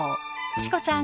チコちゃん